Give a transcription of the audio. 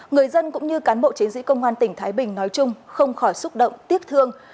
người dân cũng như cán bộ chiến sĩ công an tỉnh thái bình nói chung không khỏi xúc động tiếc thương